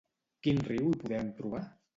Quin riu hi podem trobar?